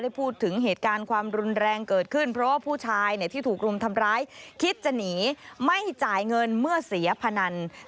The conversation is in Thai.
พูดถึงเหตุการณ์ความรุนแรงเกิดขึ้นเพราะว่าผู้ชายที่ถูกรุมทำร้ายคิดจะหนีไม่จ่ายเงินเมื่อเสียพนัน